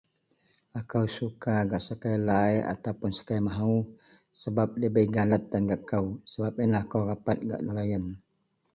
akou suka gak sakai lai ataupun sakai mahaou sebab dabei galet tan gak kou, sebab ienlah akou rapat gak deloyien